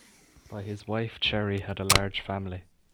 By his wife Cherry had a large family.